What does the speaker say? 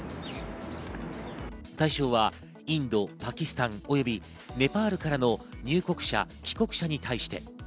対象はインド、パキスタン及びネパールからの入国者、帰国者に対して。